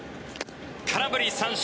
空振り三振。